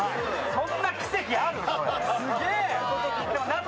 そんな奇跡ある？